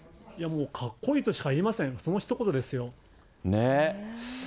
もうかっこいいとしか言えません、そのひと言ですよ。ねぇ。